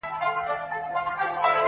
محلونه په جرگو کي را ايسار دي_